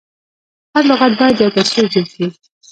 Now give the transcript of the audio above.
هر لغت باید یو تصویر جوړ کړي.